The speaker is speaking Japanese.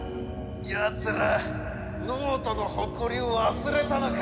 やつら脳人の誇りを忘れたのか！